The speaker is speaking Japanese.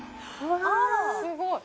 すごい！